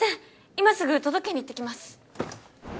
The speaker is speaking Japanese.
今すぐ届けに行ってきます。